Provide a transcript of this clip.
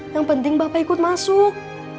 yang penting bapak ikut masuk